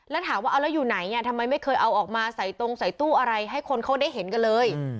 แล้วถามว่าเอาแล้วอยู่ไหนทำไมไม่เคยเอาออกมาใส่ตรงใส่ตู้อะไรให้คนเขาได้เห็นกันเลย